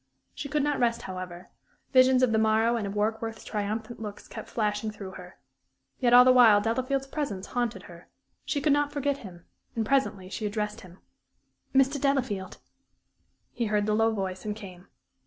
She could not rest, however; visions of the morrow and of Warkworth's triumphant looks kept flashing through her. Yet all the while Delafield's presence haunted her she could not forget him, and presently she addressed him. "Mr. Delafield!" He heard the low voice and came.